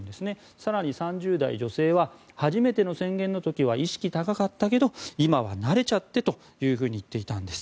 更に３０代女性は初めての宣言の時は意識高かったけど、今は慣れちゃってと言っていたんです。